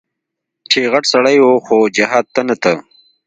چې غټ سړى و خو جهاد ته نه ته.